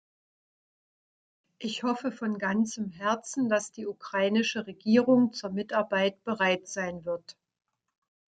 Ich hoffe von ganzem Herzen, dass die ukrainische Regierung zur Mitarbeit bereit sein wird.